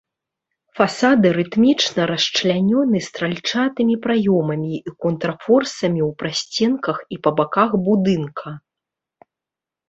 Фасады рытмічна расчлянёны стральчатымі праёмамі і контрфорсамі ў прасценках і па баках будынка.